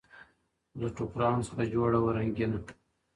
له ټوکرانو څخه جوړه وه رنګینه ,